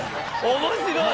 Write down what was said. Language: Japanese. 面白い！